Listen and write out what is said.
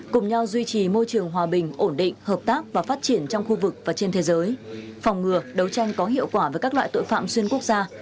cùng nhau duy trì môi trường hòa bình ổn định hợp tác và phát triển trong khu vực và trên thế giới phòng ngừa đấu tranh có hiệu quả với các loại tội phạm xuyên quốc gia